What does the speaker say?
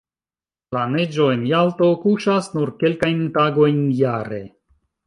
La neĝo en Jalto kuŝas nur kelkajn tagojn jare.